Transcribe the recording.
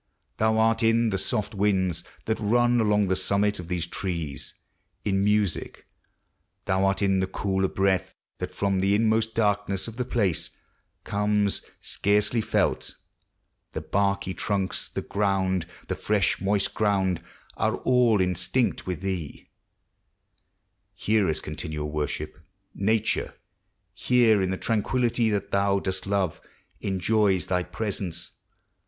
Thou art in the soft winds That run along the summit of these trees In music; thou art in the cooler breath That from the inmost darkness of the place Comes, scarcely felt ; the barky trunks, the ground, The fresh moist ground, are all instinct with thee. TREES: FLOWERS: PLANTS. 225 Here is continual worship; — nature, here, In the tranquillity that thou dost love, Enjoys thy presence.